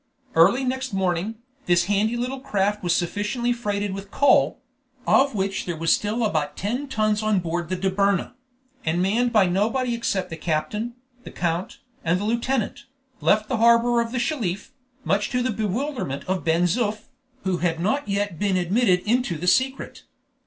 Early next morning, this handy little craft was sufficiently freighted with coal (of which there was still about ten tons on board the Dobryna), and manned by nobody except the captain, the count, and the lieutenant, left the harbor of the Shelif, much to the bewilderment of Ben Zoof, who had not yet been admitted into the secret.